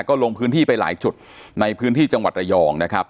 ก็ลงพื้นที่ไปหลายจุดในพื้นที่จังหวัดระยองนะครับ